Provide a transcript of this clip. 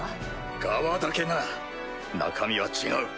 ガワだけな中身は違う。